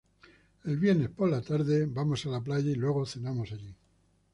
El viernes por la tarde vamos a la playa y luego cenamos allí.